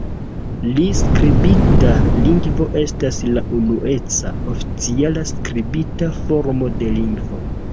La skribita lingvo estas la unueca, oficiala skribita formo de lingvo.